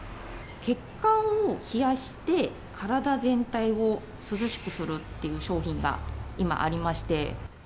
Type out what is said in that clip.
血管を冷やして、体全体を涼しくするっていう商品が今、ありまして。